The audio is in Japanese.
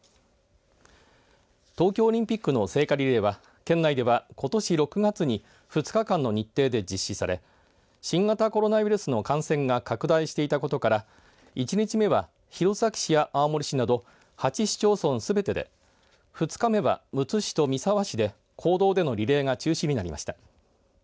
東京オリンピックの聖火リレーは県内では、ことし６月に２日間の日程で実施され新型コロナウイルスの感染が拡大していたことから１日目は弘前市や青森市など８市町村すべてで２日目は、むつ市と三沢市で公道でのリレーが中止になりました。